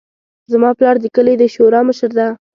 زما پلار د کلي د شورا مشر ده